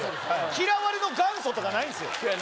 嫌われの元祖とかないんですよ